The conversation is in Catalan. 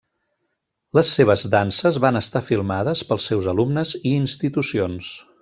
Les seves danses van estar filmades pels seus alumnes i institucions.